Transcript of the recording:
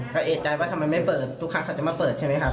ก็เอกใจว่าทำไมไม่เปิดทุกครั้งเขาจะมาเปิดใช่ไหมครับ